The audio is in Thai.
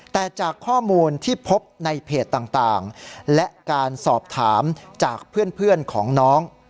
แต่จากข้อมูลที่พบในเพจต่างและการสอบถามจากเพื่อนของน้อง